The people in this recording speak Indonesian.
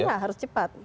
iya harus cepat